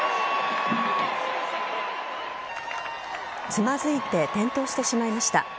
つまずいて転倒してしまいました。